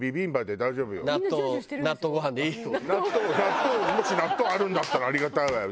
納豆もし納豆あるんだったらありがたいわよ。